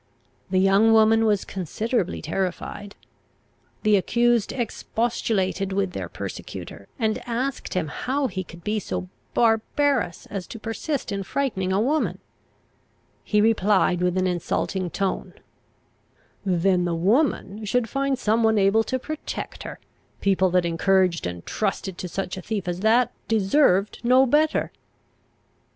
The young woman was considerably terrified. The accused expostulated with their persecutor, and asked him how he could be so barbarous as to persist in frightening a woman? He replied with an insulting tone, "Then the woman should find some one able to protect her; people that encouraged and trusted to such a thief as that, deserved no better!"